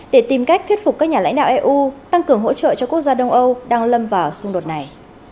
để tìm cách thuyết phục các nhà lãnh đạo eu tăng cường hỗ trợ cho quốc gia đông âu đang lâm vào xung đột này